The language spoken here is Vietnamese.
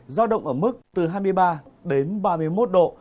giao động ở mức từ hai mươi ba đến ba mươi một độ